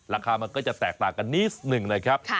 ราคามันก็จะแตกต่างกันนิดหนึ่งนะครับ